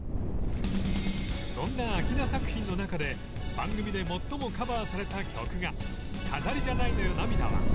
そんな明菜作品の中で番組で最もカバーされた曲が「飾りじゃないのよ涙は」。